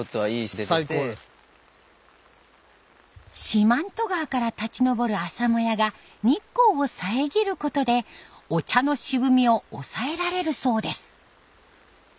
四万十川から立ち上る朝もやが日光を遮ることでお茶の渋みを抑えられるそうです。